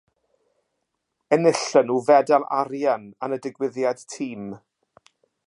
Enillon nhw fedal arian yn y digwyddiad tîm.